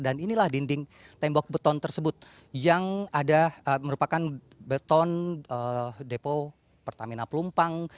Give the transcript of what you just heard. dan inilah dinding tembok beton tersebut yang ada merupakan beton depo pertamina pelumpang